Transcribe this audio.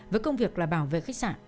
với công việc là bảo vệ khách sạn